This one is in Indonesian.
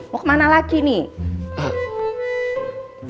mau kemana lagi nih